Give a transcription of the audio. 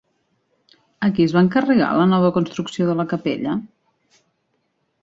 A qui es va encarregar la nova construcció de la capella?